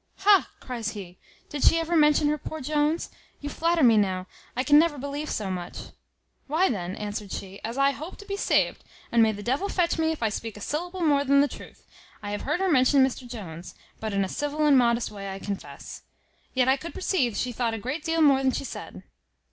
"Ha!" cries he; "did she ever mention her poor Jones? You flatter me now: I can never believe so much." "Why, then," answered she, "as I hope to be saved, and may the devil fetch me if I speak a syllable more than the truth, I have heard her mention Mr Jones; but in a civil and modest way, I confess; yet I could perceive she thought a great deal more than she said."